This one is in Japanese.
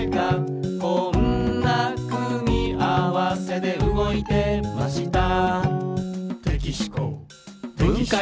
「こんな組み合わせで動いてました」